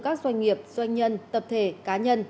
các doanh nghiệp doanh nhân tập thể cá nhân